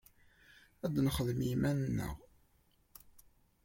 Ad nexdem i yiman-nneɣ.